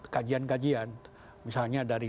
kajian kajian misalnya dari